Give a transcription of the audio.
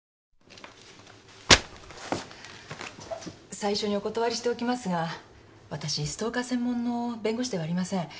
最初にお断りしておきますがわたしストーカー専門の弁護士ではありません。